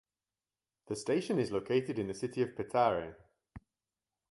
The station is located in the city of Petare.